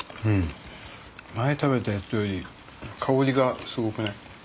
前食べたやつより香りがすごくない？